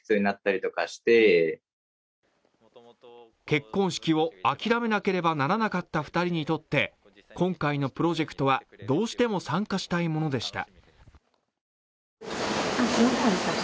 結婚式を諦めなければならなかった２人にとって今回のプロジェクトはどうしても参加したいものでした。